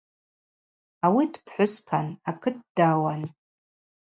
Ауи дпхӏвыспан, акыт дауан.